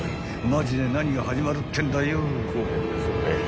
マジで何が始まるってんだよ］